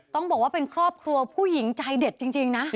ต้องบอกว่าเป็นครอบครัวผู้หญิงใจเด็ดจริงนะ